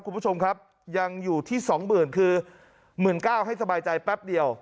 คุณผู้ชมครับยังอยู่ที่๒๐๐๐คือ๑๙๐๐ให้สบายใจแป๊บเดียว